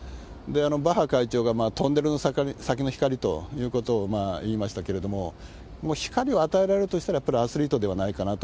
バッハ会長がトンネルの先の光ということを言いましたけれども、もう光を与えられるとしたら、やっぱりアスリートではないかなと。